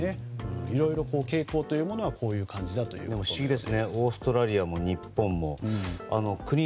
いろいろ傾向というものはこういう感じということです。